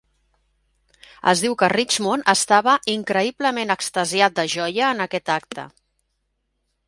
Es diu que Richmond estava "increïblement extasiat de joia" en aquest acte.